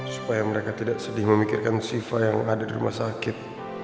supaya mereka tidak sedih memikirkan sifat yang ada di rumah sakit